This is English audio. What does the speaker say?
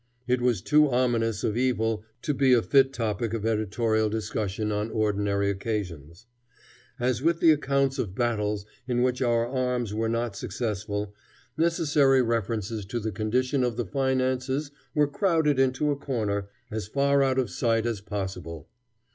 It was too ominous of evil to be a fit topic of editorial discussion on ordinary occasions. As with the accounts of battles in which our arms were not successful, necessary references to the condition of the finances were crowded into a corner, as far out of sight as possible.